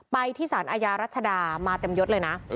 ไปที่สารอาญารัชดามาเต็มยดเลยนะ